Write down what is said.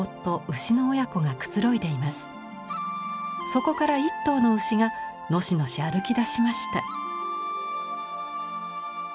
そこから一頭の牛がのしのし歩きだしました。